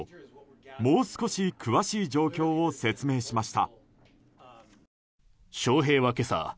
もう少し詳しい状況を説明しました。